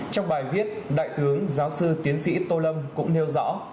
trong bài viết đại tướng giáo sư tiến sĩ tô lâm cũng nêu rõ